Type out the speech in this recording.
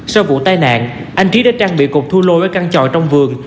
sau vụ tai nạn anh trí đã trang bị cục thu lôi ở căn tròi trong vườn